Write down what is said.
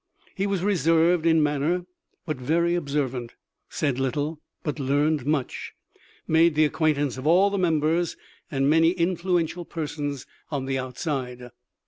He was reserved in manner, but very observant ; said little, but learned much ; made the acquaint ance of all the members and many influential per 162 THE LIFE OF LINCOLN. 163 sons on the outside.